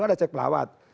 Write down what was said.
ada cek pelawat